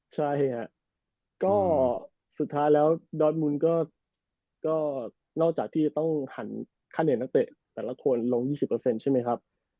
ใช่ครับก็สุดท้ายแล้วดอทมูลก็นอกจากที่ต้องหันค่าเนตนักเตะแต่ละคนลง๒๐ใช่มั้ยครับ